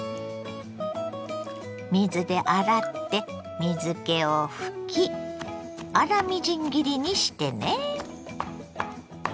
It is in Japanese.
水で洗って水けを拭き粗みじん切りにしてね。